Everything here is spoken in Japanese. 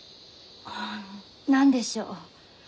あ何でしょう？